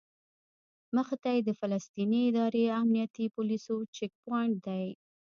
مخې ته یې د فلسطیني ادارې امنیتي پولیسو چیک پواینټ دی.